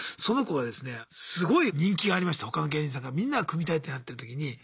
その子がですねすごい人気がありまして他の芸人さんからみんなが組みたいってなってる時に。